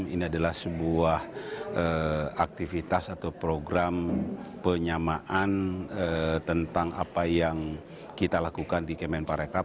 ini adalah sebuah aktivitas atau program penyamaan tentang apa yang kita lakukan di kemenparekrab